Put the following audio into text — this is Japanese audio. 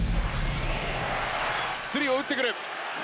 スリーを打ってくる。